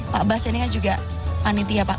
pak bas ini kan juga panitia pak